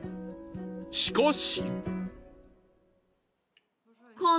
しかし。